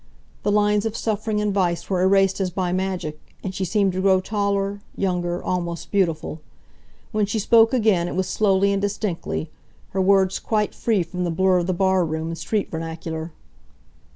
The lines of suffering and vice were erased as by magic, and she seemed to grow taller, younger, almost beautiful. When she spoke again it was slowly and distinctly, her words quite free from the blur of the barroom and street vernacular.